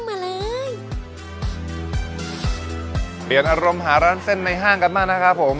เปลี่ยนอารมณ์หาร้านเส้นในห้างกันมานะครับผม